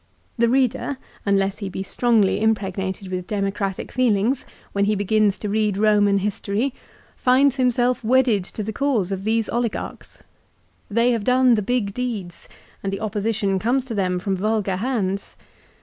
The reader, unless he be strongly impregnated with democratic feelings, when he begins to read Roman history finds himself wedded to the cause of these oligarchs. They have done the big deeds and the opposition conies to them from vulgar hands.